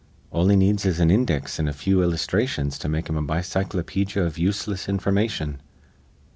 "All he needs is an index an' a few illusthrations to make him a bicyclopedja iv useless information."